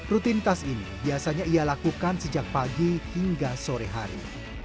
rutinitas ini biasanya ia lakukan sejak pagi hingga sore hari